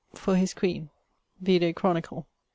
for his queen: vide Chronicle).